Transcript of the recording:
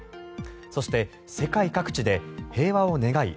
そして、世界各地で平和を願い